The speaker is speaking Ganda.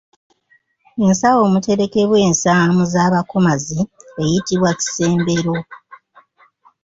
Ensawo omuterekebwa ensaamu z’abakomazi eyitibwa Kisembero.